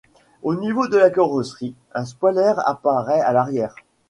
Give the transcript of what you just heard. Au niveau de la carrosserie, un spoiler apparaît à l'arrière.